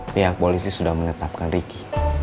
pihak polisi sudah menetapkan ricky